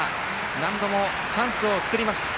何度もチャンスを作りました。